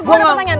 gue ada pertanyaan